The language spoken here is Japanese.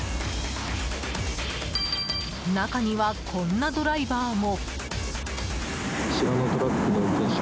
中には、こんなドライバーも。